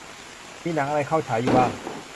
มีหนังอะไรเข้าฉายอยู่บ้าง